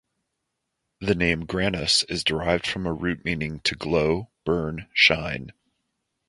The name Grannus is derived from a root meaning "to glow, burn, shine".